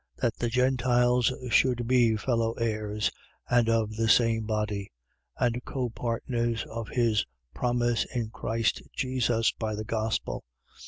That the Gentiles should be fellow heirs and of the same body: and copartners of his promise in Christ Jesus, by the gospel 3:7.